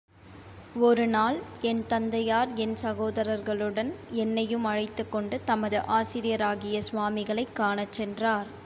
ஒரு நாள் என் தந்தையார் என் சகோதரர்களுடன் என்னையும் அழைத்துக் கொண்டு, தமது ஆசிரியராகிய சுவாமிகளைக் காணச் சென்றார்.